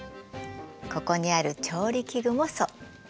ここにある調理器具もそう。